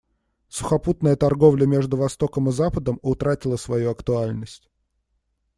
Сухопутная торговля между Востоком и Западом утратила свою актуальность.